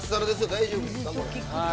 大丈夫ですか。